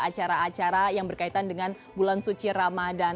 acara acara yang berkaitan dengan bulan suci ramadan